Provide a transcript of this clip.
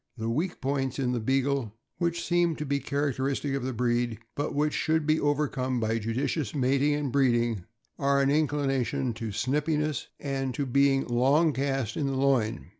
The weak points in the Beagle, and which seem to be characteristic of the breed, but which should be overcome by judicious mating and breeding, are an inclination to snipiness and to being long cast in the loin.